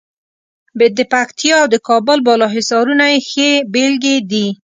د پکتیا او د کابل بالا حصارونه یې ښې بېلګې دي.